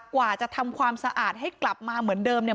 กว่าจะทำความสะอาดให้กลับมาเหมือนเดิมเนี่ย